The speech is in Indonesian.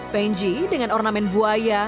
penji dengan ornamen buaya